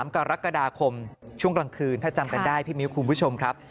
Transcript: ๓กรกฎาคมช่วงกลางคืนถ้าจำกันได้พี่มิ้วคุณผู้ชมครับ